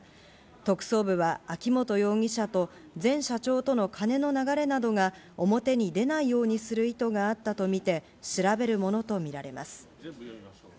特捜部は秋本容疑者と前社長との金の流れなどが表に出ないようにする意図があったとみて調べるものとみられます。